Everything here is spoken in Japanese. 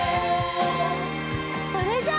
それじゃあ。